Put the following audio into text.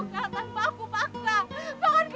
tidak ada satu pembunuh aku yang ingin mendekati aku